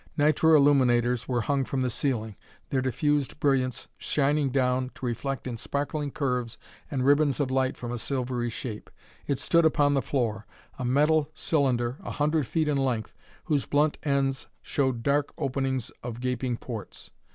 Nitro illuminators were hung from the ceiling, their diffused brilliance shining down to reflect in sparkling curves and ribbons of light from a silvery shape. It stood upon the floor, a metal cylinder a hundred feet in length, whose blunt ends showed dark openings of gaping ports.